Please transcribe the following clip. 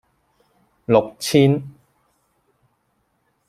六千